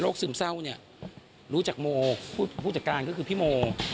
ซึมเศร้าเนี่ยรู้จักโมผู้จัดการก็คือพี่โม